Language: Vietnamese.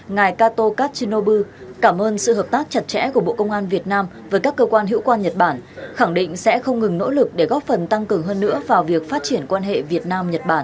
ngài kato katchino bưu cảm ơn sự hợp tác chặt chẽ của bộ công an việt nam với các cơ quan hữu quan nhật bản khẳng định sẽ không ngừng nỗ lực để góp phần tăng cường hơn nữa vào việc phát triển quan hệ việt nam nhật bản